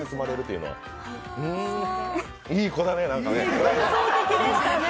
いい子だね、何かね。